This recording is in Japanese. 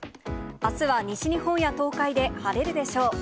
あすは西日本や東海で晴れるでしょう。